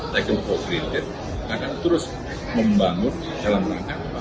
teknologi kreatif akan terus membangun dalam langkah apa